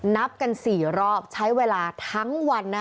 นับกัน๔รอบใช้เวลาทั้งวัน